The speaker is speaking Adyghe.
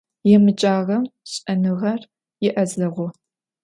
Yêmıcağem ş'enığer yi'ezeğu.